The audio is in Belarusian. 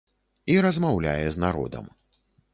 І размаўляе з народам.